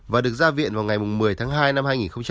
và được ra viện vào ngày một mươi tháng hai năm hai nghìn hai mươi